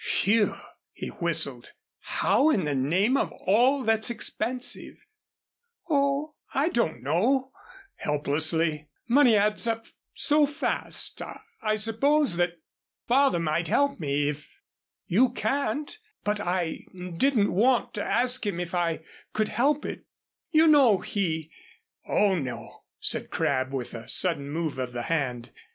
"Phew!" he whistled. "How in the name of all that's expensive " "Oh, I don't know " helplessly, "money adds up so fast I suppose that father might help me if you can't but I didn't want to ask him if I could help it; you know he " "Oh, no," said Crabb, with a sudden move of the hand.